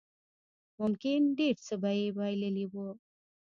ممکن ډېر څه به يې بايللي وو.